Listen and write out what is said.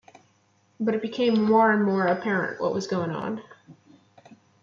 But it became more and more apparent what was going on.